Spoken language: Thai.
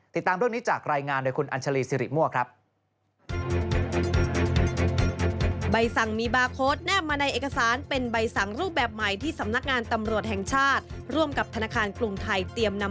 ติดตามเรื่องนี้จากรายงานโดยคุณอัญชาลีสิริมั่วครับ